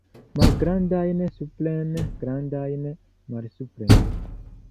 Malgrandajn supren, grandajn malsupren.